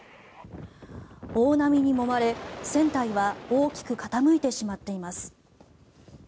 大波にもまれ、船体は大きく傾いてしまっています。